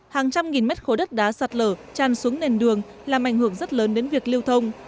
hàng trăm nghìn mét khối đất đá sạt lở tràn xuống nền đường làm ảnh hưởng rất lớn đến việc lưu thông